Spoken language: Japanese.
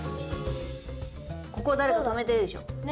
ここを誰か止めてるでしょ。ね。